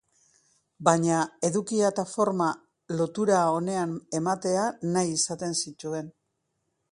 Baina edukia eta forma lotura onean ematea nahi izaten zituen.